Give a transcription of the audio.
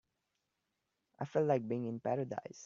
I felt like being in paradise.